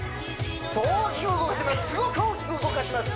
そう大きく動かします